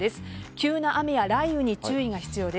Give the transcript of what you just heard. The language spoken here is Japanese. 急な雨や雷雨に注意が必要です。